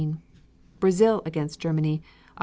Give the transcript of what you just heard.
Brazil against Germany, Oct.